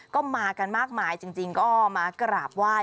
ก็มากันมากมายจริงก็มากราบไหว้